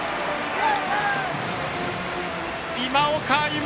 今岡歩夢